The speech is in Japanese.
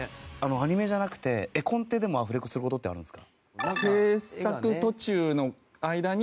アニメじゃなくて絵コンテでもアフレコする事ってあるんですか？